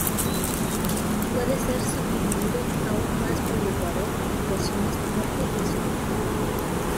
Puede ser subdividido aún más por el ecuador en porciones norte y sur.